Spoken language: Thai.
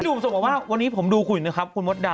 พี่นุ่มสมบัติว่าวันนี้ผมดูคุณนะครับคุณมดดำ